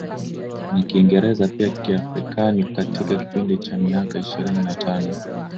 Na Kiingereza pia Kiafrikana katika kipindi cha miaka ishirini na tano